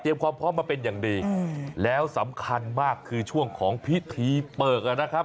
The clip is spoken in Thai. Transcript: ความพร้อมมาเป็นอย่างดีแล้วสำคัญมากคือช่วงของพิธีเปิดอ่ะนะครับ